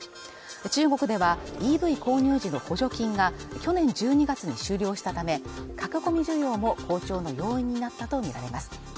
中国ではＥＶ購入時の補助金が去年１２月に終了したため駆け込み需要も好調の要因になったと見られます